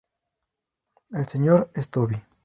El señor es Toby.